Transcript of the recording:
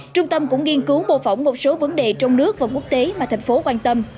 trung tâm cũng nghiên cứu mô phỏng một số vấn đề trong nước và quốc tế mà thành phố quan tâm